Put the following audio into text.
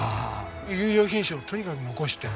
優良品種をとにかく残して。